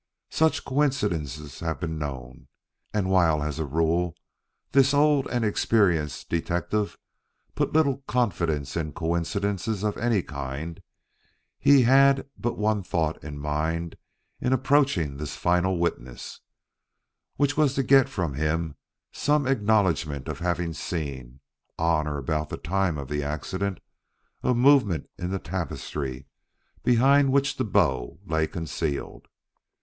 Such coincidences have been known, and while as a rule this old and experienced detective put little confidence in coincidences of any kind, he had but one thought in mind in approaching this final witness, which was to get from him some acknowledgment of having seen, on or about the time of the accident, a movement in the tapestry behind which this bow lay concealed.